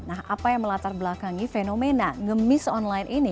nah apa yang melatar belakangi fenomena ngemis online ini